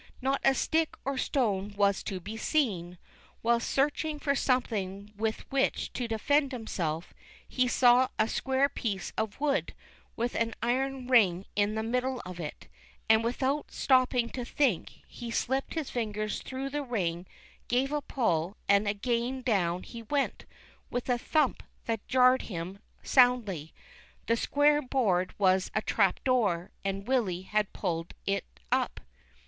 Not a stick or stone was to be seen. While searching for something with which to defend himself, he saw a square piece of wood with an iron ring in the middle of it, and without stopping to think he slipped his fingers through the ring, gave a pull, and again down he went, with a thump that jarred him soundly ; the square board was a trap door, and Willy had pulled it up.